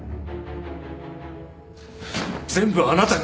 全部あなたが。